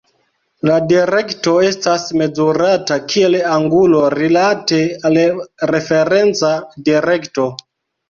La direkto estas mezurata kiel angulo rilate al referenca direkto.